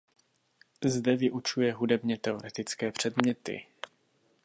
Zde vyučuje hudebně teoretické předměty.